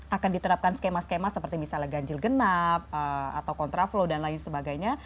akan diterapkan skema skema seperti misalnya ganjil genap atau kontraflow dan lain sebagainya